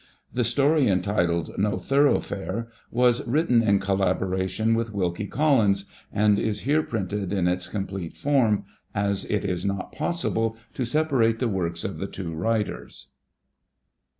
The story entitled " No Thoroughfare " was written in collaboration with Wilkie Collins, and is here printed in its complete form, as it is not iwssible to separate tlie work of the two loriters.